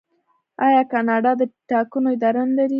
آیا کاناډا د ټاکنو اداره نلري؟